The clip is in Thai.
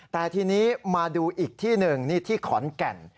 แต่ทีนี้มาดูอีกที่หนึ่งนี่ที่ขอนแก่น